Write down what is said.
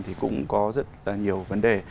thì cũng có rất là nhiều vấn đề